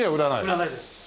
売らないです。